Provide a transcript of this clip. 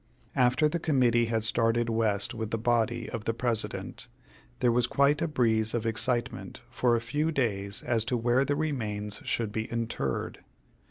After the Committee had started West with the body of the President, there was quite a breeze of excitement for a few days as to where the remains should be interred.